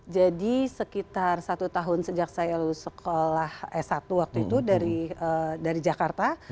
jadi sekitar satu tahun sejak saya sekolah s satu waktu itu dari jakarta